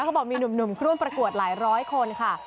เกี่ยวกับพี่ร่วมประกวดหลายร้อยคนค่ะ